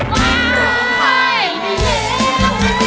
โทษให้โทษให้